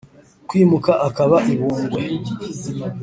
kwimuka akaba i bungwe